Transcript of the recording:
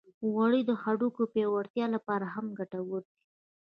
غوړې د هډوکو پیاوړتیا لپاره هم ګټورې دي.